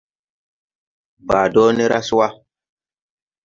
Baa dɔɔ ne ra se wà.